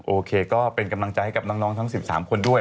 โอเคก็เป็นกำลังใจให้กับน้องทั้ง๑๓คนด้วย